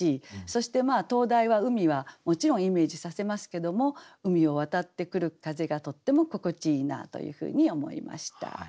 そして灯台は海はもちろんイメージさせますけども海を渡ってくる風がとっても心地いいなというふうに思いました。